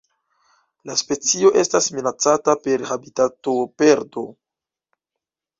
La specio estas minacata per habitatoperdo.